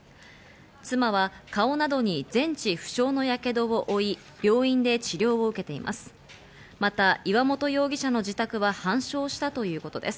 妻は顔などに全治不詳のヤケドを負い、病院で治療を受けています。